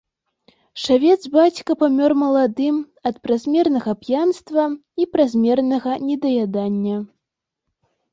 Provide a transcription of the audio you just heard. Шавец бацька памёр маладым ад празмернага п'янства і празмернага недаядання.